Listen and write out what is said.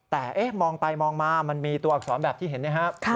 แต่มองไปมองมามันมีตัวอักษรแบบที่เห็นนะครับ